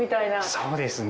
そうですね